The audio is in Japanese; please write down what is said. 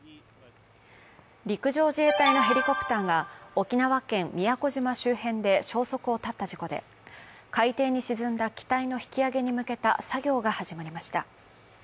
陸上自衛隊のヘリコプターが沖縄県宮古島周辺で消息を絶った事故で海底に沈んだ機体の引き揚げに向けた作業が始まりました。